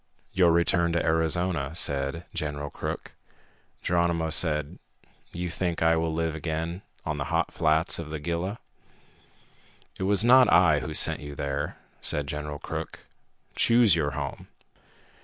"Your return to Arizona," said General Crook. Geronimo said, "You think I will live again on the hot flats of the Gila?" "It was not I who sent you there," said General Crook. "Choose your home.